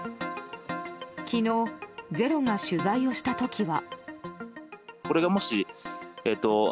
昨日「ｚｅｒｏ」が取材をした時は。